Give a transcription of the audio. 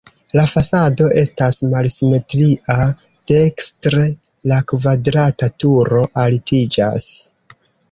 La fasado estas malsimetria, dekstre la kvadrata turo altiĝas.